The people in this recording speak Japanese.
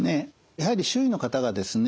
やはり周囲の方がですね